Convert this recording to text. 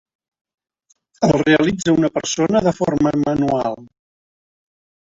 El realitza una persona de forma manual.